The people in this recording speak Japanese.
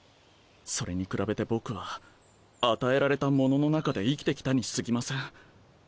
それに比べて僕は与えられたものの中で生きて来たにすぎません。